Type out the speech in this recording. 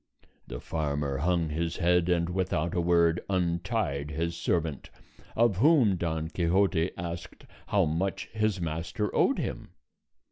The farmer hung his head, and without a word untied his servant, of whom Don Quixote asked how much his master owed him.